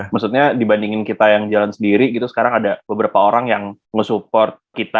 maksudnya dibandingin kita yang jalan sendiri gitu sekarang ada beberapa orang yang nge support kita